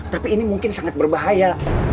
tapi ini mungkin sangat berbahaya